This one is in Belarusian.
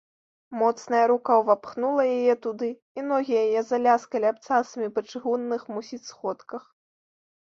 Моцная рука ўвапхнула яе туды, і ногі яе заляскалі абцасамі па чыгунных, мусіць, сходках.